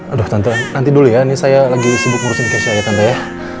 aduh tante nanti dulu ya ini saya lagi sibuk ngurusin kesya ya tante ya